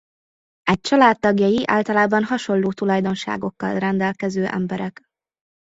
Egy család tagjai általában hasonló tulajdonságokkal rendelkező emberek.